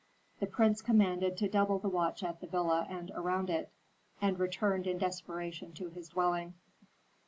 The prince commanded to double the watch at the villa and around it, and returned in desperation to his dwelling.